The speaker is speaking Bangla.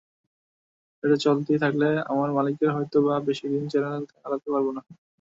এটা চলতে থাকলে আমরা মালিকেরা হয়তো-বা বেশি দিন চ্যানেল চালাতে পারব না।